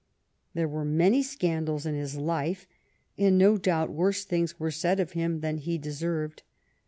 There were many scandals in his life, and no doubt worse things were said of him than he deserved.